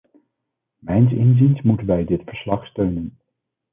Mijns inziens moeten wij dit verslag steunen.